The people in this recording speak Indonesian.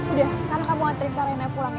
udah sekarang kamu anterin kak raina pulang ya